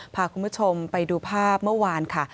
พาคุณผู้ชมไปดูภาพเมื่อวานค่ะ